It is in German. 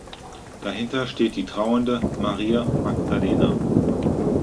Dahinter steht die trauernde Maria Magdalena.